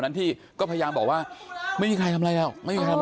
นั้นที่ก็พยายามบอกว่าไม่มีใครทำอะไรแล้วไม่มีใครทำอะไร